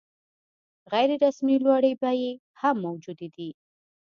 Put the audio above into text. غیر رسمي لوړې بیې هم موجودې دي.